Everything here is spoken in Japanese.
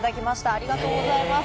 ありがとうございます。